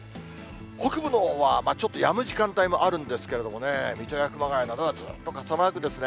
北部のほうは、ちょっとやむ時間帯もあるんですけれどもね、水戸や熊谷などはずっと傘マークですね。